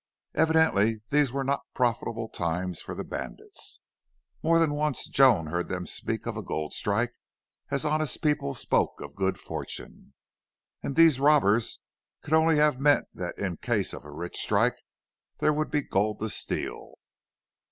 Evidently these were not profitable times for the bandits. More than once Joan heard them speak of a gold strike as honest people spoke of good fortune. And these robbers could only have meant that in case of a rich strike there would be gold to steal.